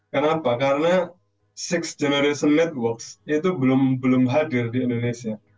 kenapa karena enam generation networks itu belum hadir di indonesia